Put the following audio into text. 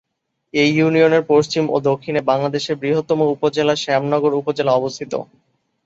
এই ইউনিয়নের পশ্চিম ও দক্ষিণে বাংলাদেশের বৃহত্তম উপজেলা শ্যামনগর উপজেলা অবস্থিত।